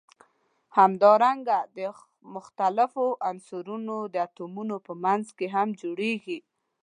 همدارنګه د مختلفو عنصرونو د اتومونو په منځ کې هم جوړیږي.